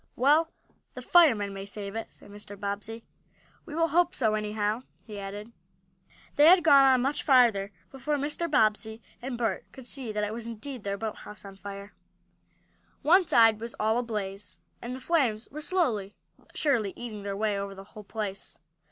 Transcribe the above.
"Well, the firemen may save it," said Mr. Bobbsey. "We will hope so, anyhow," he added. They had not gone on much farther before Mr. Bobbsey and Bert could see that it was indeed their boathouse on fire. One side was all ablaze, and the flames were slowly, but surely, eating their way over the whole place.